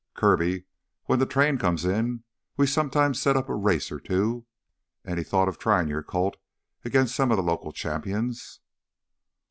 "Kirby, when the train comes in we sometimes set up a race or two. Any thought of trying your colt against some of the local champions?"